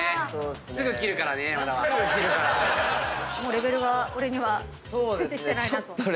レベルが俺にはついてきてないなと。